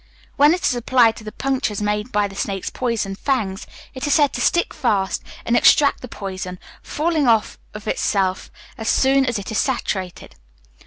When it is applied to the punctures made by the snake's poison fangs, it is said to stick fast and extract the poison, falling off of itself as soon as it is saturated.